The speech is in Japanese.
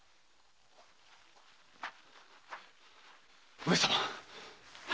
上様！